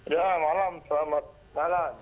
ya malam selamat malam